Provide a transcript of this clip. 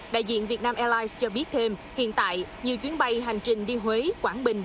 đại diện việt nam airlines cho biết thêm hiện tại nhiều chuyến bay hành trình đi huế quảng bình